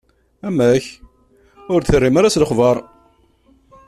Amek, ur d-terrim ara s lexbaṛ?